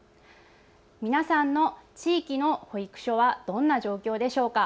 皆さんの地域の保育所はどんな状況でしょうか。